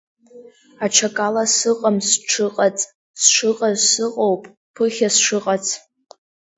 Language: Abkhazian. Аҽакала сыҟам сҽыҟаҵ, сшыҟаз сыҟоуп, ԥыхьа сшыҟац.